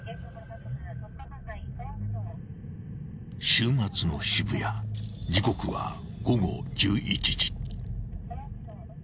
［週末の渋谷時刻は午後１１時］